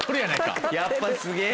やっぱすげぇ。